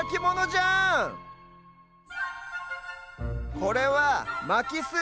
これは「まきす」。